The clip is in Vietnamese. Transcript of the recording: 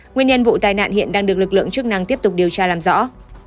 nguyên nhân vụ tai nạn hiện đang được lực lượng chức năng tiếp tục điều tra làm rõ